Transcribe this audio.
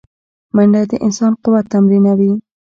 منډه د انسان قوت تمرینوي